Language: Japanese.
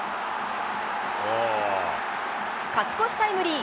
勝ち越しタイムリー。